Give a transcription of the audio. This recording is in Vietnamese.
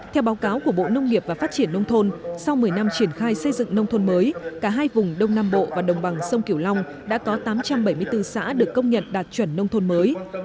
theo báo cáo của bộ nông nghiệp và phát triển nông thôn sau một mươi năm triển khai xây dựng nông thôn mới cả hai vùng đông nam bộ và đồng bằng sông kiểu long đã có tám trăm bảy mươi bốn xã được công nhận đạt chuẩn nông thôn mới